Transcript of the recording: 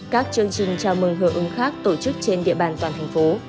các chương trình chào mừng hưởng ứng khác tổ chức trên địa bàn toàn thành phố